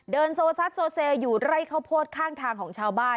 โซซัดโซเซอยู่ไร่ข้าวโพดข้างทางของชาวบ้าน